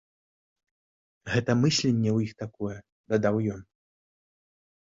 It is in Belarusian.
Гэта мысленне ў іх такое, дадаў ён.